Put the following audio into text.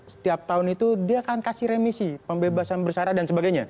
setiap tahun itu dia akan kasih remisi pembebasan bersara dan sebagainya